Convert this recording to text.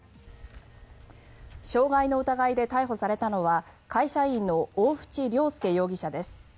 傷害の疑いで逮捕されたのは会社員の大渕良輔容疑者です。